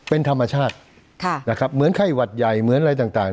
เป็นธรรมชาตินะครับเหมือนไข้หวัดใหญ่เหมือนอะไรต่าง